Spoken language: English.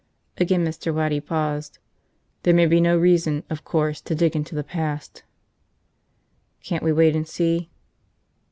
Again Mr. Waddy paused. "There may be no reason, of course, to dig into the past." "Can't we wait and see?"